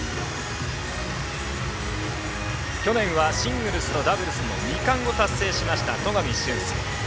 去年はシングルスとダブルスの二冠を達成しました戸上隼輔。